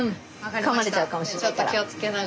かまれちゃうかもしれないから。